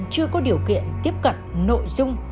chưa có điều kiện tiếp cận nội dung